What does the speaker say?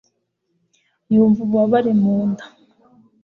yumva ububabare mu nda